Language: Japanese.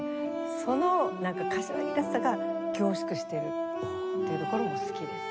そのなんか柏木らしさが凝縮してるっていうところも好きです。